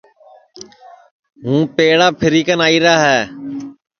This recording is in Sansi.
ہُو پیڑا پھری کن آئیرا ہے